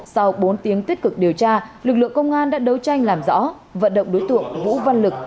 sau bốn tiếng tích cực điều tra lực lượng công an đã đấu tranh làm rõ vận động đối tượng vũ văn lực